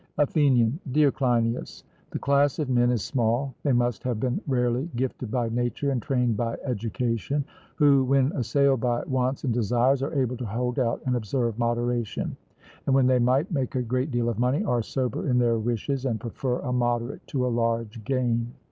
ATHENIAN: Dear Cleinias, the class of men is small they must have been rarely gifted by nature, and trained by education who, when assailed by wants and desires, are able to hold out and observe moderation, and when they might make a great deal of money are sober in their wishes, and prefer a moderate to a large gain.